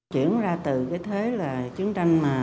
chuyển ra từ cái thế là chiến tranh